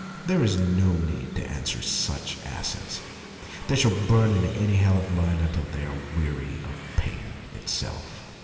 There is no need to answer such asses ; they shall burn in any hell of mine until they are weary of pain itself.